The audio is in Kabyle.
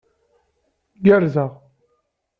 Gerrzeɣ.